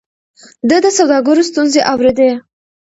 ده د سوداګرو ستونزې اورېدې.